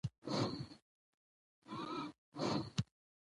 ستا د سالو جنډۍ مي خدای لره منظوره نه وه